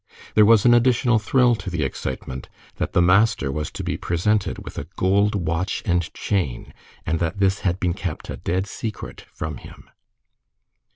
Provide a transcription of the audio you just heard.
There was an additional thrill to the excitement, that the master was to be presented with a gold watch and chain, and that this had been kept a dead secret from him.